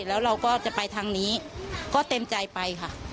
แล้วเราก็จะไปทางนี้ก็เต็มใจไปค่ะ